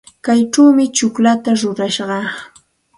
Kaychawmi tsukllata rurashaq.